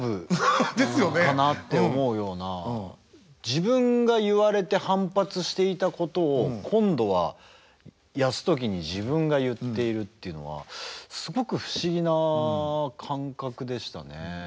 自分が言われて反発していたことを今度は泰時に自分が言っているっていうのはすごく不思議な感覚でしたね。